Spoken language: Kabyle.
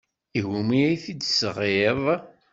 I wumi ay t-id-tesɣiḍ?